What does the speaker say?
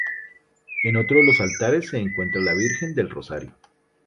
En otro de los altares se encuentra la Virgen del Rosario.